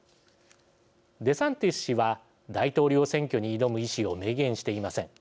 デサンティス氏は大統領選挙に挑む意思を明言していません。